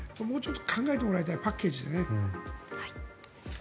もうちょっと考えてもらいたいパッケージでね。